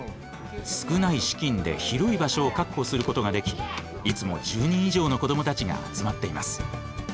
少ない資金で広い場所を確保することができいつも１０人以上の子どもたちが集まっています。